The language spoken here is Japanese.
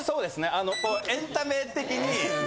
あのエンタメ的に。